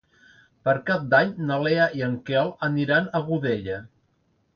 Per Cap d'Any na Lea i en Quel aniran a Godella.